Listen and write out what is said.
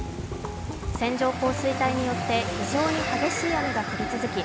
線状降水帯によって非常に激しい雨が降り続き